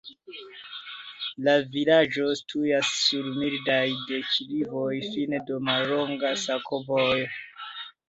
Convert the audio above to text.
La vilaĝo situas sur mildaj deklivoj, fine de mallonga sakovojo.